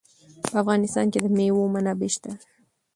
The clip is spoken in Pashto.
په افغانستان کې د مېوې منابع شته.